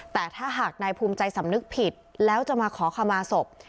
แต่ถ้าหากนายภูมิใจสำนึกผิดแล้วจะมาขอขมาศพ